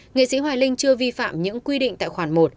nghệ sĩ hoài linh chưa vi phạm những quy định tại khoản một